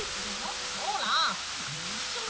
ほらいっしょに！